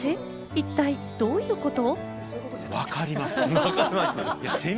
一体どういうこと？